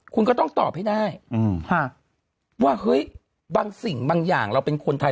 คุณก็ต้องตอบให้ได้ว่าเฮ้ยบางสิ่งบางอย่างเราเป็นคนไทย